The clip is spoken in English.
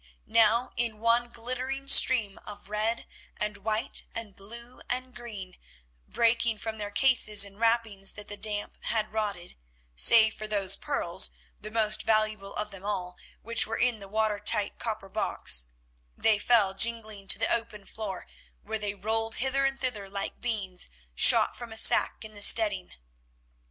Now in one glittering stream of red and white and blue and green, breaking from their cases and wrappings that the damp had rotted, save for those pearls, the most valuable of them all, which were in the watertight copper box—they fell jingling to the open floor, where they rolled hither and thither like beans shot from a sack in the steading.